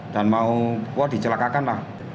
dan mau wah dicelakakan lah